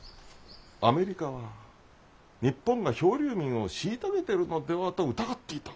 アメリカは日本が漂流民を虐げてるのではと疑っていた。